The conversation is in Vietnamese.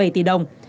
một bảy tỷ đồng